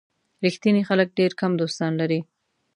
ریښتیني خلک ډېر کم دوستان لري.